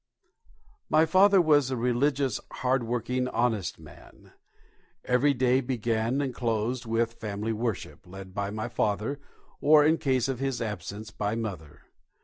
My father was a religious, hard working, honest man. Every day began and closed with family worship, led by my father, or, in case of his absence, by Mother.